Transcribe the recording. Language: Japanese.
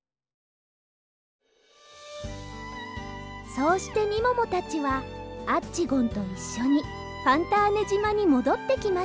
そうしてみももたちはアッチゴンといっしょにファンターネじまにもどってきました。